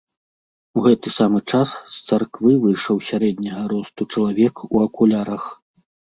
У гэты самы час з царквы выйшаў сярэдняга росту чалавек у акулярах.